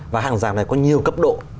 và hàng rào này có nhiều cấp độ